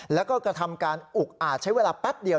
แล้วก็กระทำการอุกอาจใช้เวลาแป๊บเดียว